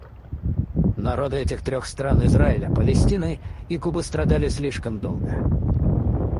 Народы этих трех стран — Израиля, Палестины и Кубы — страдали слишком долго.